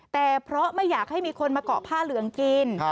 แต่เพราะไม่อยากให้มีคนมาเกาะผ้าเหลืองกิน